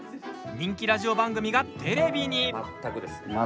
人気ラジオ番組がテレビに。